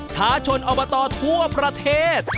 ท้าชนอบตทั่วประเทศ